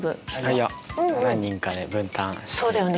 いやそうだよね